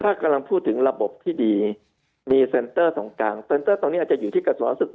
ถ้ากำลังพูดถึงระบบที่ดีมีเซ็นเตอร์ตรงกลางเซ็นเตอร์ตรงนี้อาจจะอยู่ที่กระทรวงศึก